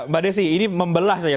mbak desi ini membelah saja